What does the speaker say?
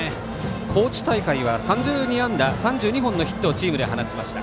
高知大会は３２安打３２本のヒットをチームで放ちました。